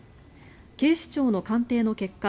警視庁の鑑定の結果